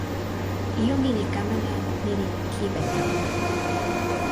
ijo ni li kama la ni li kiwen tawa mi.